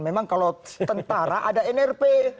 memang kalau tentara ada nrp